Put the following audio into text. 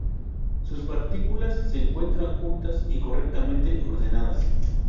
Sus partículas se encuentran juntas y correctamente ordenadas.